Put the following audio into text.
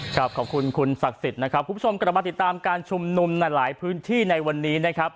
ขอบคุณคุณศักดิ์สิทธิ์นะครับคุณผู้ชมกลับมาติดตามการชุมนุมในหลายพื้นที่ในวันนี้นะครับ